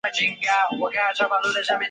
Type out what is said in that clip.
阿尔让河畔皮热人口变化图示